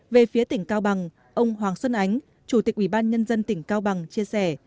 về phía tỉnh cao bằng ông hoàng xuân ánh chủ tịch ủy ban nhân dân tỉnh cao bằng chia sẻ